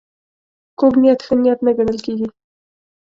کوږ نیت ښه نیت نه ګڼل کېږي